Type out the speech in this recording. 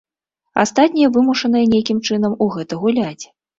Астатнія вымушаныя нейкім чынам у гэта гуляць.